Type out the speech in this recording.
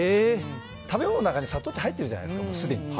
食べ物の中に砂糖って入っているじゃないですか。